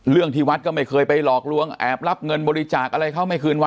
ที่วัดก็ไม่เคยไปหลอกลวงแอบรับเงินบริจาคอะไรเขาไม่คืนวัด